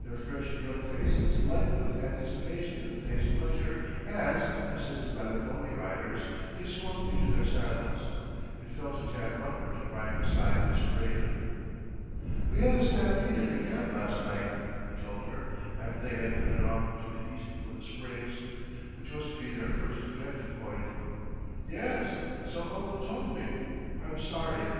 Their fresh young faces lighted with anticipation of the day's pleasure as, assisted by the Pony Riders, they swung into their saddles. It fell to Tad Butler to ride beside Miss Brayton. "We had a stampede at the camp last night," he told her after they had headed off to the east for the Springs, which was to be their first objective point. "Yes; so uncle told me. I'm sorry.